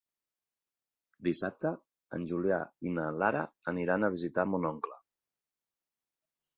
Dissabte en Julià i na Lara aniran a visitar mon oncle.